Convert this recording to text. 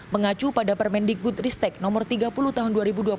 mengacu pada permendikbud ristek no tiga puluh tahun dua ribu dua puluh